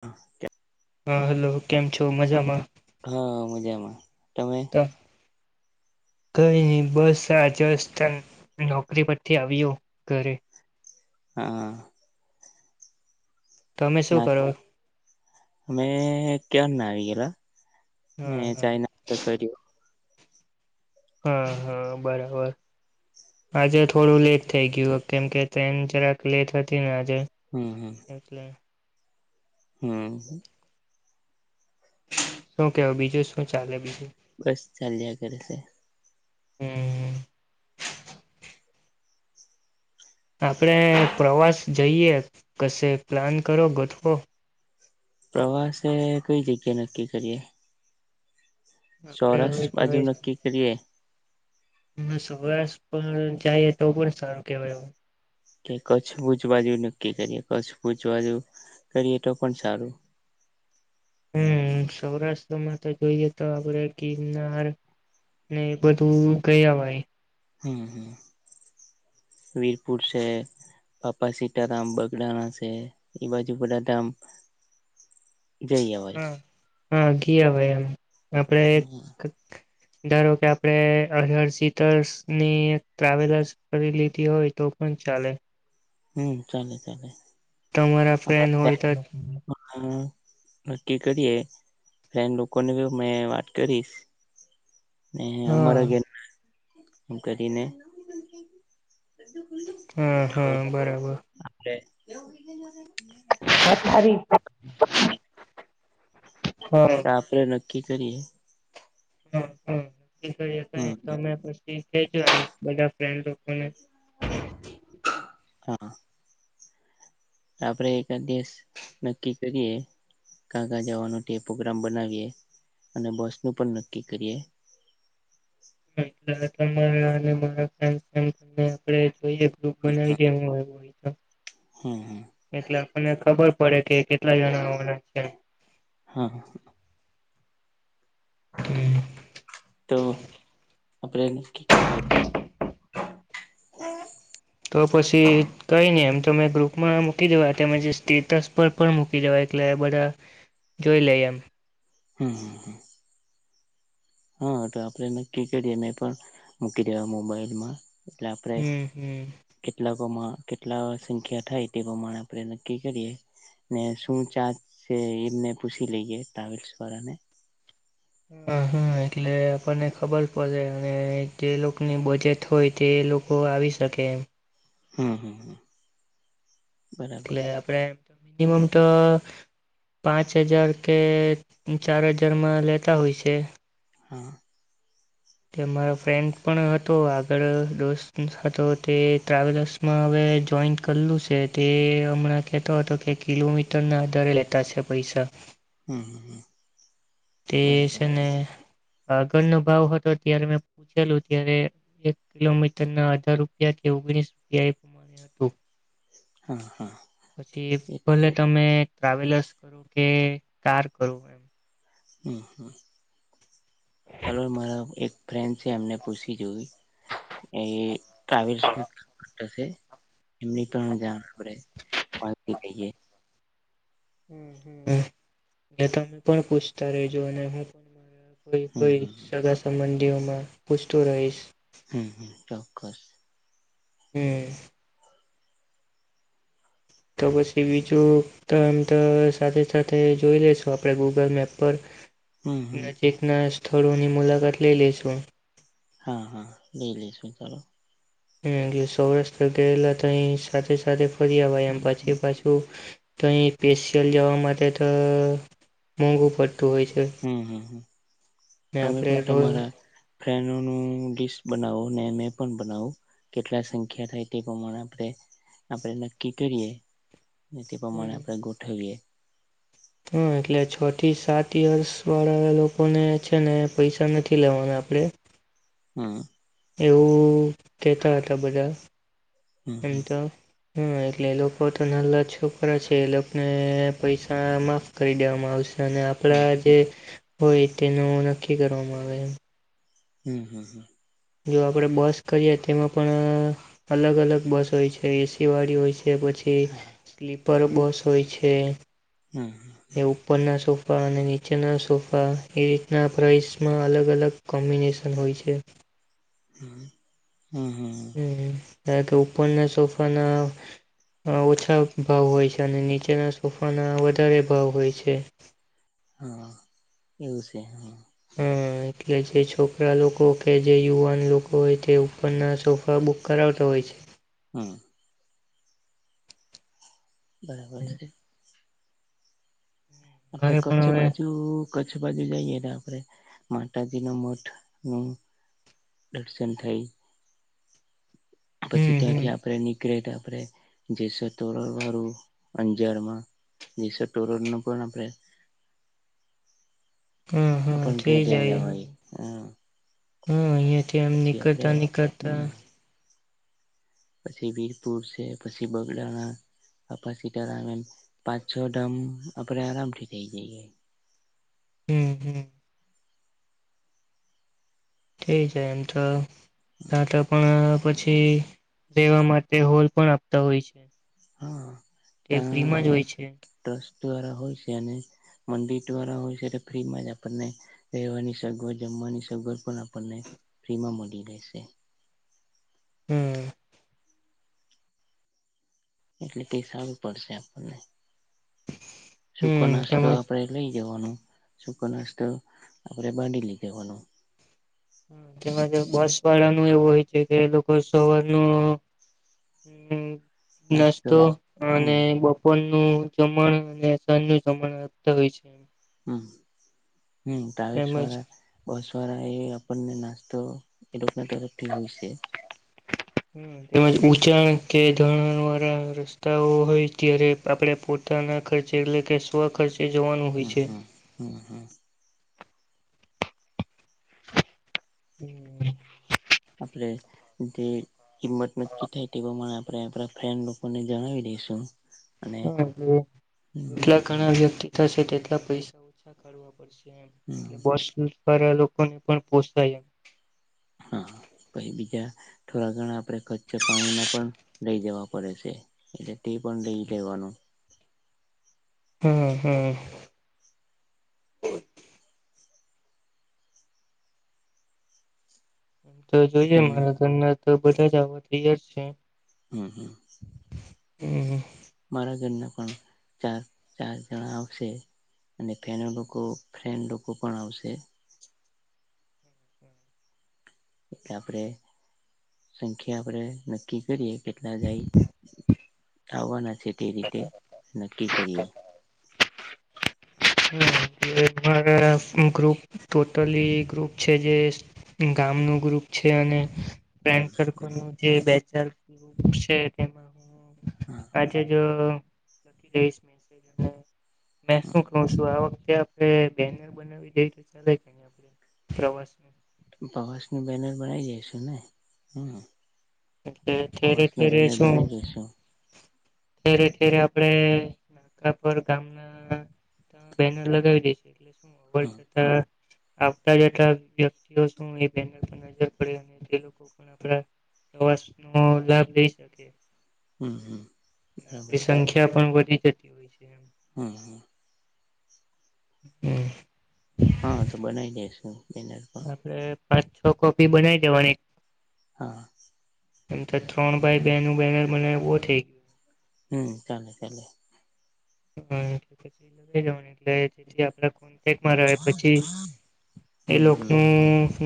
હા ક્યા. હાલો કેમ છો મજામાં. હા મજામાં તમે. તેમ. કઈ બસા ચશથા નોકરી પરથી આવ્યો ઘરે. હા. તમે શું ના કરો. અમે કેન ના આવી ગયલા મે હા હા ચાઈના હા હા બરાબર. આજે થોડું લેટ થઇ ગયું કેમ કે ટ્રેન જરાક લેટ હતી ને આજે હમ હમ. એટલે. હમ. શું કેવું બીજું શું ચાલે બીજું બસ ચાલયા કરે છે. હમ, આપણે પ્રવાસ જઈએ કશે પ્લાન કરો ગોઠવો. પ્રવાસે કઈ જગ્યા નક્કી કરીએ. આપડે સૌરાષ્ટ્ર બાજુ હવે નક્કી કરીએ. હમે સવારે સવાર જઈએ તો પણ સારું કેવાય એવું. કે કચ્છ ભૂજ બાજુ નક્કી કરીએ કચ્છ ભૂછ બાજુ કરીએ તો પણ સારું. હમ સૌરાષ્ટ્રમાં તો જોઈએ તો આપડે ગિરનાર, ને બધું ગયા ભાઈ, હમ હમ વીરપુર છે. બાપ્પા સીતા રામ બગડાના છે એ બાજુ ગડા તામ, હા હા ગી હવે અવે આપડે, ધારો કે આપડે અરહર સીટસર્ની ટ્રાવેલર્સ, કરી લીધી હોય તો પણ ચાલે. હમ ચાલે ચાલે, તમારા ફ્રેન્ડ હોય તો નક્કી કરીએ. ફેન લોકો ને કિધુ મે વાત કરીશ. ને હા અમારા ઘેરના કરીને. બધું ખુલ્લુ, હા [unintelligible] પથારી હમ, આપણે નક્કી કરીએ. હ હ હમ [unintelligible] તમે પછી [unintelligible] બધા, હા, આપડે એકાદ દિવસ નક્કી કરીએ. કાકા જવાનું તે પ્રોગ્રામ બનાવીએ અને બસ નું પણ નક્કી કરીએ. એટ તમારા અને મારા ફ્રેન્ડસ [unintelligible] આપડે જોઈએ. દુઃખ બનાવી કે હુ હોઉ નહીં તો, હા હા, એટલે આપણને ખબર પડે કે કેટલા જણા આવાના છે એમ. હા, તો આપણે, તો પછી કઈ નહી એમ તમે ગ્રુપમાં મૂકી દેવા તેમ જે સ્ટેટસ પર, પણ મૂકી જવા એટલે બધા જોઈ લઈ એમ. હા હ હા, હા તો આપણે એને ક્રિ [unintelligible] નહીં પણ મૂકી દેવા મોબાઈલમાં. એટલે આપડે, હમ હમ કેટલાકોમાં કેટલા સંખ્યા થાય તે પ્રમાણે આપણે નક્કી કરીએ. ને શું ચાર્ચ છે એમને પૂછી લઈએે ટ્રાવેલ્સ વાળા ને. હા હા એટલે આપણને ખબર પડે અને જે લોકોની બજેટ હોય તે લોક વાવી શકે એમ. હમ હમ હ, એટલે આપડે એમમમ તો, પાંચ હજાર કે, ચાર હજારમાં લેતા હોય છે. હા, તે મારા ફ્રેન્ડ પણ હતો આગળ દોસ્ત હતો તે ટ્રાવેલ્સ, માં હવે જોઈન્ટ કરલું છે તે હમણાં કહેતો હતો કે કિલોમીટરના આધારે લેતા છે. પૈસા હમ્મ હ તે છે ને આગળનો ભાવ હતો ત્યારે મે પૂછેલું ત્યારે એક કિલોમીટર ના અઢાર રૂપિયા થી ઓગણીસ રૂપિયા તું હા-હા. પછી ભલે તમે ટ્રાવેલર્સ કરો કે કાર કરું એમ હમ્મ હમ્મ ચાલો મારા એક ફ્રેન્ડ છે એમને પૂછી જોઈ એ ટ્રાવેલ્સ ભી કરશે એમની પણ જાણ આપડે પરથી કઈએ હમ્મ એટ તમે પણ પૂછતા રેજો અને હું પણ હોઈ હમ હોઈશ હમ સગા સંબંધીઓમાં પૂછતો રહીશ હમ્મ હમ્મ ચોક્કસ હમ્મ. તો પછી બીજું તો એમ તો સાથે સાથે જોઈ લેશું આપણે ગૂગલ મેપ પર હમ હમ નજીક ના સ્થળોની મુલાકાત લઈ લઈ લેશું હા હા લઈ લઈ લેશું ચાલો હમ્મ સૌરાષ્ટ્ર ગયેલા તો એ સાથે સાથે ફરીયાવાય એમ હમ હમ પછી પછી તો અહી સ્પેશિયલ જવા માટે તો મોંઘું પડતું હોય છે. હમ્મ હમ્મ હમ્મ ને તમે આપણે પણ રોજ તમારા ફેન્ડનોનુ ડીશ બનાવો ને મે પણ બનાવો કેટલા સંખ્યા થાય તે પ્રમાણે આપણે આપણે નક્કી કરીએ તે પ્રમાણે આપણેે ગોઠવીએ હા એટલે છ થી સાત યર્સ વાળા લોકોને છે ને પૈસા નથી લેવાના આપણેે હા. એવું કેતા હતા બધા હમ એમ તો હા એટલે એ લોકો તો નાલા છોકરા છે એ લોકોને પૈસા માં કરી દેવામાં આવશે અને આપણા હમ જે હોય તેનો નક્કી કરવામાં આવે. હમ્મ હમ્મ હમ્મ. જો આપણે બસ કરીએ તેમાં પણ અ અલગ અલગ બસ હોય છે એસી વાળી હોય છે પછી કે હા સ્લીપર બસ હોય છે હા. એ ઉપરના સોફા અને નીચેના સોફા એ રીતના પ્રાઇસમાં અલગ અલગ કોમ્બિનેશન હોય છે. હમ્મ હમ્મ. કે ઉપરના સોફાના ઓછા ભાવ હોય છે અને નીચેના સોફાના વધારે ભાવ હોય છે. હા એવું છે હા. હમ્મ. એટલે જે છોકરા લોકો કેજે યુવાન લોકો હોયતે ઉપરના સોફા બુક કરાવતા હોય છે. હા. બરાબર છે. એટલે મારે પણ કચ્છ હવે બાજુ કચ્છ બાજુ જઈએ ને આપણે માતાજીના મઢનું દર્શન થાય, પછી હમ ત્યાંથી હમ આપડે નીકળે તો આપડે જેસલ તોરલ વારુ અંજારમાં, જેસ તોરલ નું પણ આપણે હું હા આપણ કઈ ઠી જઈ જાય આવાય હા હું અહીંયે. થી એમે પછી આપડે નીકળતા નીકળતા, હમ પછી વીરપુર છે, પછી બગદાણા બાપા સીતારામ એમ પાંચ છ ધામ આપડે આરામ થી થઇ જાય. હમ હમ થઈ જાય એમ તો તાતો પણ પછી, લેવા માટે હોલ પણ આપતા હોય છે, હા તે ત્યાં ફ્રીમાં જ હોય છે, ટ્રસ્ટ દ્વારા હોય છે, અને મંદિર દ્વારા હોય છે, એ ફ્રીમાં જ આપણને રહેેવાની સગવડ જમવાની સગવડ પણ આપણને ફ્રીમાં મળી રહેશે, હમ એટલે ક સારું પડશે આપણે સુકો હમ નાસ્તો તેમજ આપણે, લઈ જવાનું શૂકો નાસ્તો આપણે બાંધી લઈ જવાનું, હ તેમજ બસ વાળાનું એવું હોય છે, કે લોકો સવારનું હું નાસ્તો હા અને બ પોન નું જમણ અને સાજ નું જમણ આપતા હોય છે. હું હું ટ્રાવેલ્સ તેમજ વાળા બસ વારાએ આપણને નાશતો એલોકના તરફથી હોય છે હું તેમજ ઉચાણ કે ધરણાણ વાળા રસ્તાઓ હોય ત્યારે, આપડે પોતાના ખર્ચે એટલે કે સ્વખર્ચ, એ જવાનું, હોય હમ્મ છે. હમ્મ હમ્મ હમ્મ. [unintelligible] આપડે જે કિંમત નક્કી થાય તેવામા. આપે આપણા ફેન લોકોને જણાવી દઈશુ. હા એટલે જેટલા ઘણા વ્યક્તિ થશે તેટલા પૈસા ઓછા કાઢવા પડશે. હમ એટલે બસ વાળા લોકોને પણ પોસાય એમ. હા પછ બીજા થોડા ઘણા આપણે ખચ્ચા પાણીના પણ લઈ જવા પડે છે. એટલે તે પણ લઈ લેવાનું. હમ્મ હમ્મ. એમ તો જોઈએ તમે મારા ઘરના તો બધા જ આવા તૈયાર છે. હમ્મ હમ્મ. હમ્મ. મારા ઘરના પણ ચાર ચાર જણા આવશે. અને ફેના લોકો ફ્રેન્ડ લોકો પણ આવશે. એટલે આપડે સંખ્યા આપડે નક્કી કરીએ. કેટલા જાય આવવાના છે તે રીતે નક્કી કરીએ. રા ગ્રુપ ટોટલી ગ્રુપ છે જે. ગામ નુ ગ્રુપ છે અને. ફ્રેન્ડ હમ સર્કલ હમ. નો જે બે ચાર છે તેમાં હા. કાજે જ લખી દઈશ મેસેજ મે ક હ શું. [inaudible] આપણે બેનર બનાવી દઈ ચય છે આપ પ્રવાસ ન પ્રવાસ નની બેનર બનાઈ જઈશું ને હમ્મ. એટલે થેરે થેરે છુ. બનાવી દઈશું અત્યારે ઘેરે આપડે આપર ગામના ત બેનર લગાવી હમ દેય [inaudible] આવતા જેટલા વ્યક્તિઓ શું એ બેનર પર નજર પડે અને તે લોકો પણ આપણા પ્રવાસ નો લાભ લઈ શકે. [inaudible] હમ્મ હમ્મ. આપડી સંખ્યા પણ વધી જતી હોય છે એ. હમ હા. હમ્મ. હા તો બનાવી દેસુ બેનર. પણ આપડે પાંચ છ કોપી બનાવી દેવાની. હા, એમ તો ત્રણ બાય બે નું બેનર મને એવો થઈ. હમ્મ ચાલે ચાલે. હ એટલે પછ જ એટલે જેથી આપ એકમાં રહે પછી એ હમ હમ લોકોનું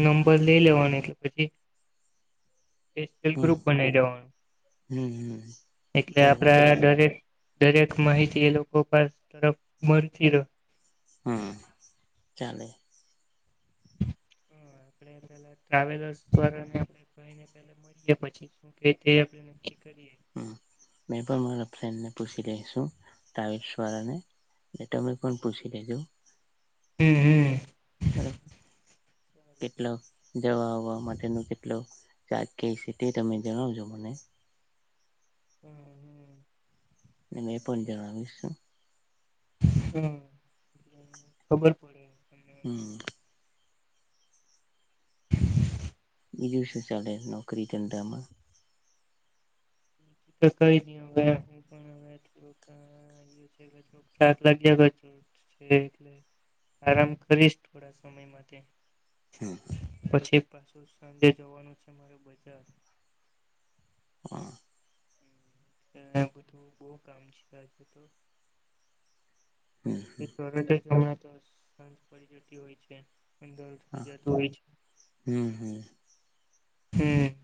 નંબર લઈ લેવાનું એટલે પછી ગ્રુપ હમ બનાવી દેવાનું. હમ હમ એટલે બરાબર છે આપડ દરે દરેક માહિતી એ લોકો પા તરફ મળતી ર હમ્મ ચાલે. હ આપે પેલા ટ્રાવેલર્સ દ્વારા પલે [inaudible] મળીએ પછી શું કે તે આપડે નક્કી કરીએ. [inaudible] હ મેં પણ મારા ફ્રેન્ડને પૂછી રઈશું ટ્રાવસ વાળા ને ને ટામે પણ પુછી લેજું હમ્મ હમ્મ. બરાબર કેટલો જવા આવવા માટેનું કેટલું.? ચા કઈ સીટી તમે જણાવજો મને.? હમ હમ. મે પણ જાણા વિશું. હમ ખબર પડે. તમને હમ. વિજુ સુ સાલે નોકરી દં દામાં.? ક દ હ. [inaudible] હા છેકાસ લાગ્યો [inaudible] આરામ કરીશ થોડા સમય માટે. હમ પછી પાછું સંડે જવાનું છે મારેું બજાર. [inaudible] હા. બધું [inaudible] જ હમ પડી જતી હોય છે [inaudible] અંદર થ જતું હોય છે. હમ હમ. હમ.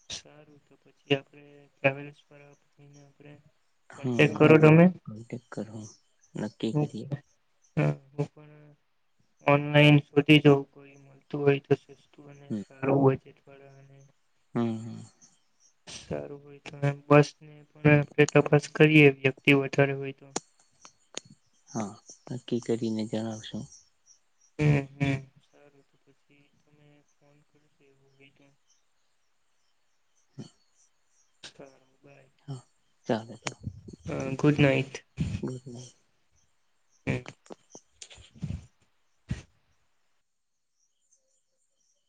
[inaudible] હમ કરો તમે કોન્ટેક કરહુ ક્કી કરીએ. હ હું પણ ઓનલાઈન શોધી જોઈ કોઈ મળતું હોય તો મને હમ સારું બજેટ વાળા અને. હમ હમ સારું હોય તો બસ ની પણ આપડે તપાસ કરીએ વ્યક્તિ વધારે હોય તો. હા નક્કી કરીને જણાવશું. હ હ [inaudible] [inaudible] [inaudible] હા ચાલે અ, ગુડ ગુડ નાઈટ હમ